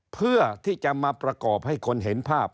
เพื่อที่จะมาประกอบให้คนเห็นภาพ